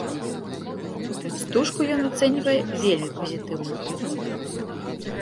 Стужку ён ацэньвае вельмі пазітыўна.